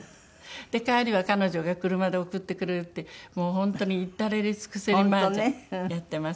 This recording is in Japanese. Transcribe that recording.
帰りは彼女が車で送ってくれるってもう本当に至れり尽くせりマージャンやってます。